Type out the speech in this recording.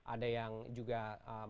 ada yang juga merah